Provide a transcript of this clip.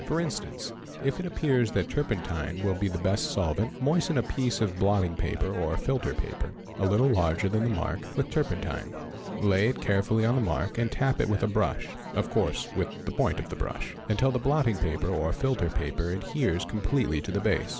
For instance, if it appears that turpentine will be the best solvent, moisten a piece of — blotting paper or filter paper (a little larger than the mark) with turpen tine, lay it carefully on the mark, and tap with a brush (of course with the point of the brush) until the blotting paper or filter paper adheres completely to the base.